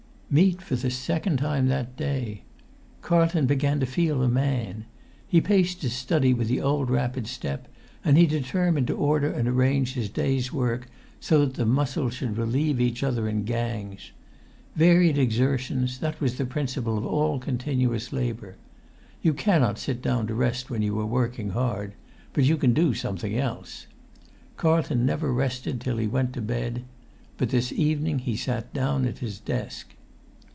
Meat for the second time that day! Carlton began to feel a man. He paced his study with the old rapid step; and he determined to order and arrange his day's work so that the muscles should relieve each other in[Pg 134] gangs: varied exertions; that was the principle of all continuous labour. You cannot sit down to rest when you are working hard; but you can do something else. Carlton never rested till he went to bed. But this evening he sat down at his desk.